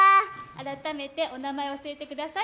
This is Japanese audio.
改めてお名前を教えてください。